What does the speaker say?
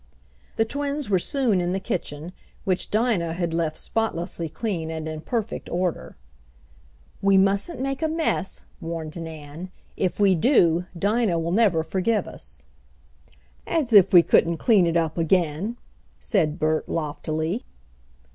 The twins were soon in the kitchen, which Dinah had left spotlessly clean and in perfect order. "We mustn't make a muss," warned Nan. "If we do, Dinah will never forgive us." "As if we couldn't clean it up again," said Bert loftily.